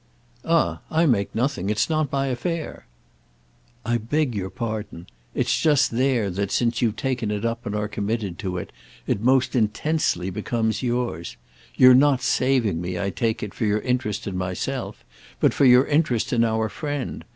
"Ah I make nothing. It's not my affair." "I beg your pardon. It's just there that, since you've taken it up and are committed to it, it most intensely becomes yours. You're not saving me, I take it, for your interest in myself, but for your interest in our friend.